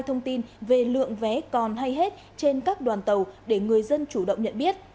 thông tin về lượng vé còn hay hết trên các đoàn tàu để người dân chủ động nhận biết